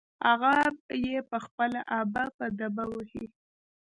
هغه يې په خپله ابه په دبه وهي.